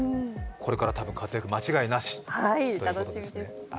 これから多分、活躍間違いなしということですね。